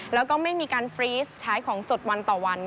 แล้วก็ไม่มีการฟรีสใช้ของสดวันต่อวัน